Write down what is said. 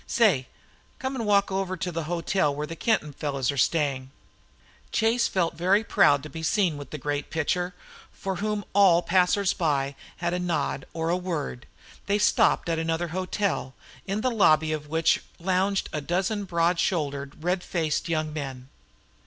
Say, come and walk over to the hotel where the Kenton fellows are staying." Chase felt very proud to be seen with the great pitcher, for whom all passers by had a nod or a word. They stopped at another hotel, in the lobby of which lounged a dozen broad shouldered, red faced young men.